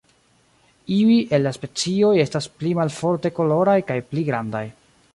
Iuj el la specioj estas pli malforte koloraj kaj pli grandaj.